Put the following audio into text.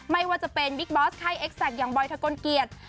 ไม่ว่าจะเป็นบิ๊กบอสไข้เอ็กแซคอย่างบอยทะกลเกียจ